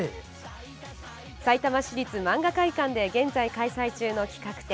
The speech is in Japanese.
さいたま市立漫画会館で現在開催中の企画展